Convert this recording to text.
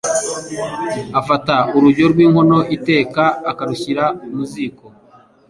afata urujyo rw’inkono iteka, akarushyira mu ziko